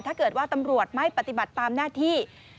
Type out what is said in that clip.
ถ้าเกิดว่าตำรวจไม่ปฏิบัติตามหน้าที่